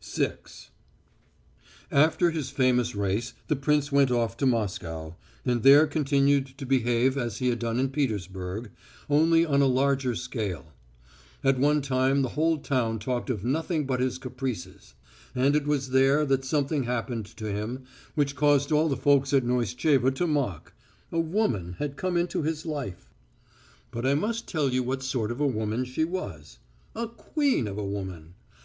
VI After his famous race the prince went off to Moscow, and there continued to behave as he had done in Petersburg, only on a larger scale. At one time the whole town talked of nothing but his caprices. And it was there that something happened to him which caused all the folks at Pneestcheva to mock. A woman came into his life. But I must tell you what sort of a woman she was. A queen of women!